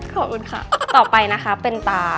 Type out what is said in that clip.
ขอบคุณค่ะต่อไปนะคะเป็นตา